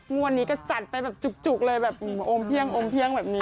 งวดนี้ก็จัดไปจุกเลยแบบโอ้มเพี้ยงแบบนี้